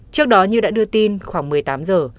trước đó như đã đưa tin khoảng một mươi tám giờ